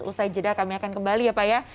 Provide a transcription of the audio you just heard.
usai jeda kami akan kembali ya pak ya